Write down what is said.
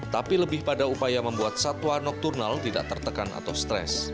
tapi lebih pada upaya membuat satwa nokturnal tidak tertekan atau stres